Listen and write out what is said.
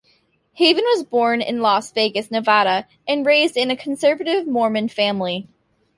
Haven was born in Las Vegas, Nevada, and raised in a conservative Mormon family.